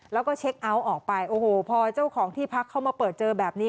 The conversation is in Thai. แล้วก็เช็คเอาท์ออกไปโอ้โหพอเจ้าของที่พักเข้ามาเปิดเจอแบบนี้